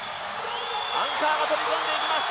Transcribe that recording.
アンカーが飛び込んでいきます。